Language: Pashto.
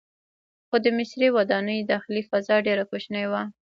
خو د مصري ودانیو داخلي فضا ډیره کوچنۍ وه.